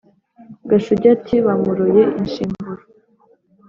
Gashugi ati: “bamuroye inshinguro,